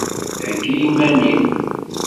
Heggi iman-im!